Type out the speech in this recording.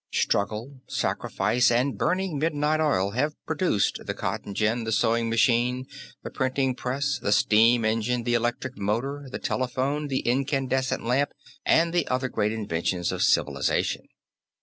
Struggle, sacrifice and burning midnight oil have produced the cotton gin, the sewing machine, the printing press, the steam engine, the electric motor, the telephone, the incandescent lamp and the other great inventions of civilization.